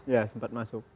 ya sempat masuk